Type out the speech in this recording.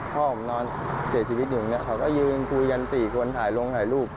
พ่อผมนอน๗๐วิจัยหนึ่งเขาก็ยืนคุยกัน๔คนถ่ายลงถ่ายรูป